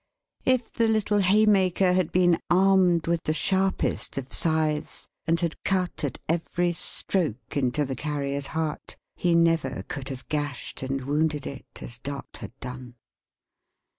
If the little Haymaker had been armed with the sharpest of scythes, and had cut at every stroke into the Carrier's heart, he never could have gashed and wounded it, as Dot had done.